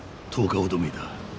１０日ほど前だ。